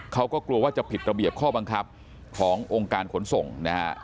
เขาก็กลัวว่าจะผิดระเบียบข้อบังคับขององค์การขนส่งนะฮะ